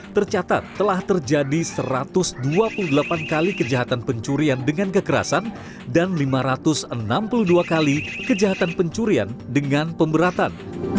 tercatat telah terjadi satu ratus dua puluh delapan kali kejahatan pencurian dengan kekerasan dan lima ratus enam puluh dua kali kejahatan pencurian dengan pemberatan